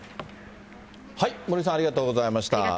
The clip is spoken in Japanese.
森さん、ありがとうございました。